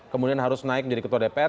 kemudian harus naik menjadi ketua dpr